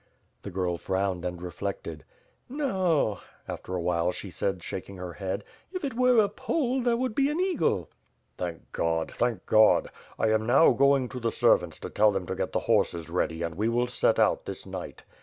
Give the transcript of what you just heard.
The girl frowned and reflected. "No," after a while she said, shaking her head. "H it were a Pole, there would be an eagle." "Thank God! Thank God! I am now going to the ser vants to tell them to get the horses ready and we will set out this night."